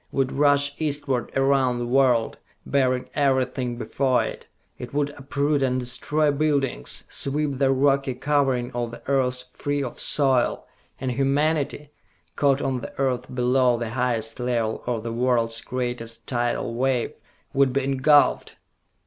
would rush eastward around the world, bearing everything before it! It would uproot and destroy buildings, sweep the rocky covering of the earth free of soil; and humanity, caught on the earth below the highest level of the world's greatest tidal wave, would be engulfed!"